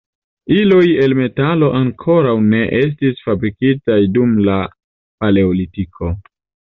Iloj el metalo ankoraŭ ne estis fabrikitaj dum la paleolitiko.